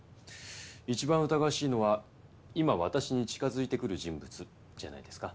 一番疑わしいのは今私に近づいてくる人物じゃないですか。